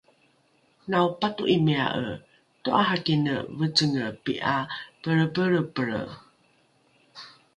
naopato’imia’e to’arakine vecenge pi’a pelrepelrepelre